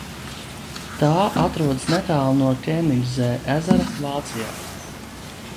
Tā atrodas netālu no Kēnigszē ezera Vācijā.